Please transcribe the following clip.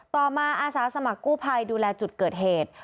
ต่อมาอาสาสมัครกู้ภัยดูแลจุดเกิดเหตุ